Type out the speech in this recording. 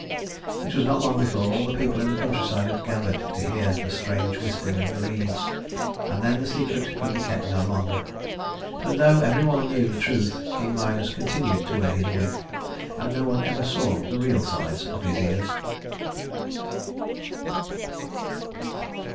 It was not long before all the people in the countryside had gathered to hear the strange whispering of the reeds, and then the secret could be kept no longer. But though every one knew the truth King Midas continued to wear his wig, and no one ever saw the real size of his ears.